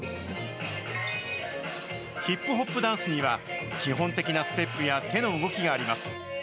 ヒップホップダンスには、基本的なステップや手の動きがあります。